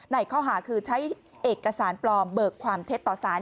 ในข้อหาคือใช้เอกสารปลอมเบิกความเท็จต่อสาร